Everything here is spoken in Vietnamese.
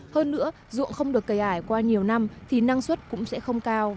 hơn nữa dù không được cài ải qua nhiều năm thì năng suất cũng sẽ không cao